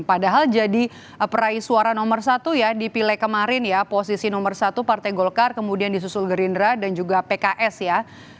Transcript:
padahal jadi peraih suara nomor satu ya di pileg kemarin ya posisi nomor satu partai golkar kemudian disusul gerindra dan juga pks ya